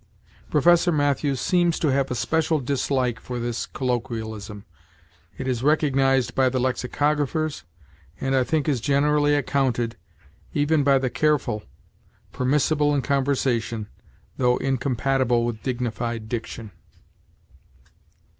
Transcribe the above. Professor Mathews seems to have a special dislike for this colloquialism. It is recognized by the lexicographers, and I think is generally accounted, even by the careful, permissible in conversation, though incompatible with dignified diction.